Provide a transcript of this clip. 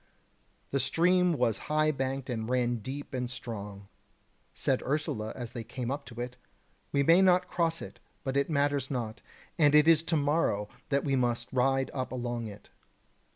The stream was high banked and ran deep and strong. Said Ursula as they came up to it: "We may not cross it, but it matters not; and it is to morrow that we must ride up along it."